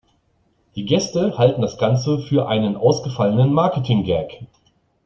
Die Gäste halten das Ganze für einen ausgefallenen Marketing-Gag.